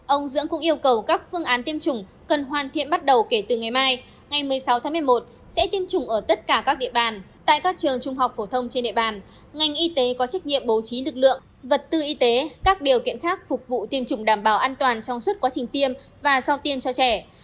ông dưỡng cũng yêu cầu các phương án tiêm chủng cần hoàn thiện bắt đầu kể từ ngày mai ngày một mươi sáu tháng một mươi một sẽ tiêm chủng ở tất cả các địa bàn tại các trường trung học phổ thông trên địa bàn ngành y tế có trách nhiệm bố trí lực lượng vật tư y tế các điều kiện khác phục vụ tiêm chủng đảm bảo an toàn trong suốt quá trình tiêm và sau tiêm cho trẻ